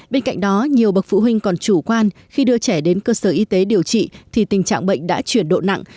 bên cạnh đó nhiều bậc phụ huynh còn chủ quan khi đưa trẻ đến cơ sở y tế điều trị thì tình trạng bệnh đã chuyển độ nặng